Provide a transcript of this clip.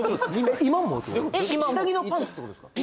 えっ今も下着のパンツってことですか？